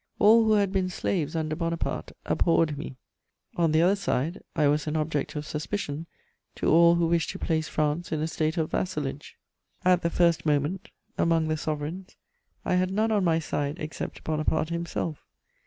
All who had been slaves under Bonaparte abhorred me; on the other side, I was an object of suspicion to all who wished to place France in a state of vassalage. At the first moment, among the sovereigns, I had none on my side except Bonaparte himself.